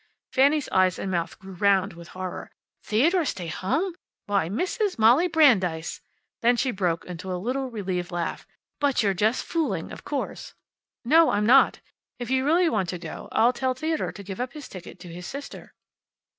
Fanny's eyes and mouth grew round with horror. "Theodore stay home! Why Mrs. Molly Brandeis!" Then she broke into a little relieved laugh. "But you're just fooling, of course." "No, I'm not. If you really want to go I'll tell Theodore to give up his ticket to his sister."